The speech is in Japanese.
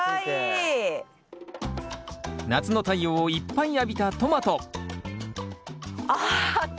夏の太陽をいっぱい浴びたトマトあっつ。